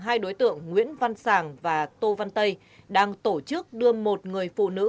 hai đối tượng nguyễn văn sàng và tô văn tây đang tổ chức đưa một người phụ nữ